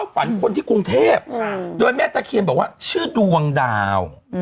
ได้มั้ยได้มากมือนะ